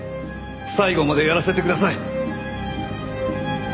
最後までやらせてください！